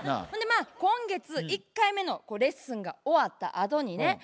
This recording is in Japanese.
ほんでまあ今月１回目のレッスンが終わったあとにね